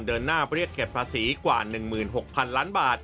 เดินหน้าเรียกเก็บภาษีกว่า๑๖๐๐๐ล้านบาท